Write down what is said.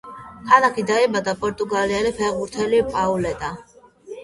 ქალაქში დაიბადა პორტუგალიელი ფეხბურთელი პაულეტა.